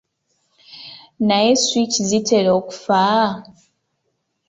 Naye switch zitera okufa?